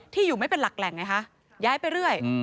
อยู่ไม่เป็นหลักแหล่งไงคะย้ายไปเรื่อย